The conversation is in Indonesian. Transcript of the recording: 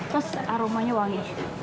terus aromanya wangi